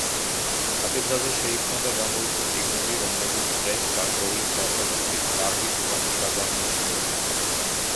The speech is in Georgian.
კათედრაზე შეიქმნა და გამოიცა წიგნები, რომლებიც დღეს, გარკვეული თვალსაზრისით, დარგის კლასიკადაა მიჩნეული.